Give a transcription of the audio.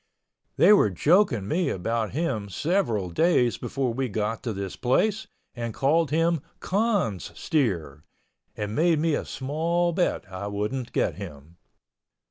They were joking me about him several days before we got to this place and called him "Con's steer," and made me a small bet I wouldn't get him.